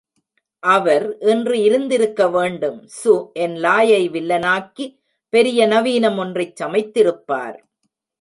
அவர் இன்று இருந்திருக்கவேண்டும் சூ என் லாயை வில்லனாக்கி பெரிய நவீனம் ஒன்றைச் சமைத்திருப்பார்!